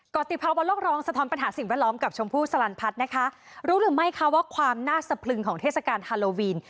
กรติภาวะโลกร้องสะท้อนปัญหาสิ่งแวดล้อมกับชมพู่สลันพัฒน์นะคะรู้หรือไม่คะว่าความน่าสะพลึงของเทศกาลฮาโลวีน